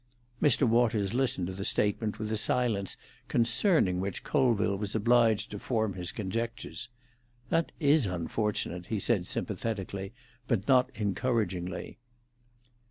Mr. Waters listened to the statement with a silence concerning which Colville was obliged to form his conjectures. "That is unfortunate," he said sympathetically, but not encouragingly.